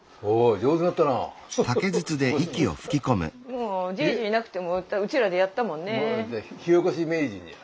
もうじぃじいなくてもうちらでやったもんね。